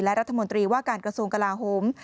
และรัฐมนตรีว่าการกระทรวงกลาโหม